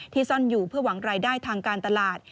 ซ่อนอยู่เพื่อหวังรายได้ทางการตลาด